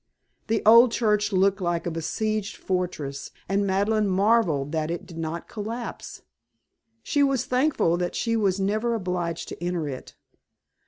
The old church looked like a besieged fortress and Madeleine marvelled that it did not collapse. She was thankful that she was never obliged to enter it.